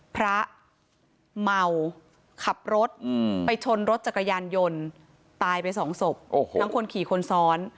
พระเมาขับรถไปชนรถจักรยานยนต์ตายไปสองศพทั้งคนขี่คนซ้อน